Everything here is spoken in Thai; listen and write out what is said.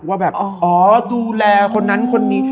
ว่าแบบอ๋อดูแลคนนั้น